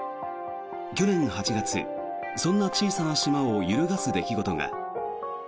去年８月、そんな小さな島を揺るがす出来事が。